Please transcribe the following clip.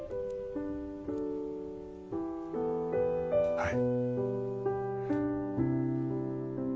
はい。